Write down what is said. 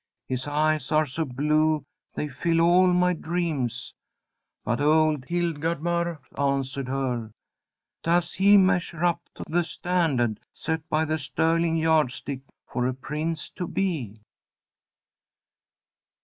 'His eyes are so blue they fill all my dreams!' But old Hildgardmar answered her, 'Does he measure up to the standard set by the sterling yardstick for a prince to be?'"